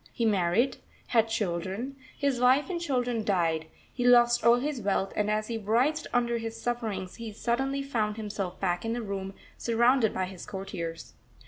He married, had children, his wife and children died, he lost all his wealth, and as he writhed under his sufferings he suddenly found himself back in the room, surrounded by his courtiers.